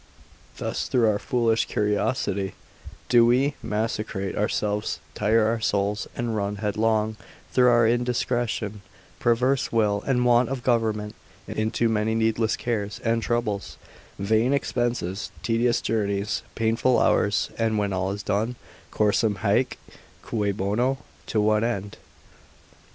Thus through our foolish curiosity do we macerate ourselves, tire our souls, and run headlong, through our indiscretion, perverse will, and want of government, into many needless cares, and troubles, vain expenses, tedious journeys, painful hours; and when all is done, quorsum haec? cui bono? to what end?